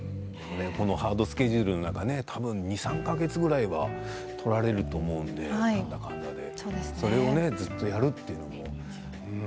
このハードスケジュールの中、たぶん２、３か月ぐらいは取られると思うのでそれをずっとやるというのも。